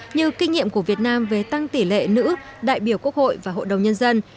như kinh nghiệm của việt nam về tăng tỷ lệ nữ đại biểu quốc hội và hội đồng nhân dân